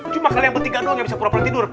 cuma kalian bertiga doang yang bisa pura pura tidur